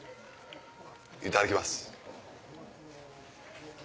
いただきます。